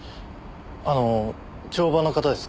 あの帳場の方ですか？